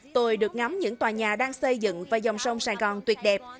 tôi được ngắm những tòa nhà đang xây dựng và dòng sông sài gòn tuyệt đẹp